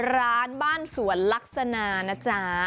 ร้านบ้านสวนลักษณะนะจ๊ะ